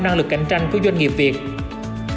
cũng là đòn bẫy trong nước để phát triển m a